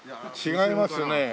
違いますね。